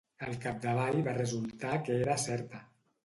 Al capdavall va resultar que era certa.